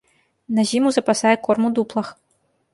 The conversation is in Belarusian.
На зіму запасае корм у дуплах.